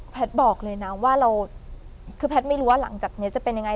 บอกเลยนะว่าเราคือแพทย์ไม่รู้ว่าหลังจากนี้จะเป็นยังไง